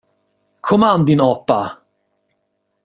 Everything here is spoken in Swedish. Kom an, din apa!